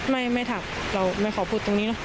ไม่ทักเราไม่ขอพูดตรงนี้เนอะ